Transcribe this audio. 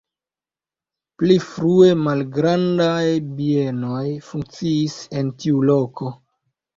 Pli frue malgrandaj bienoj funkciis en tiu loko.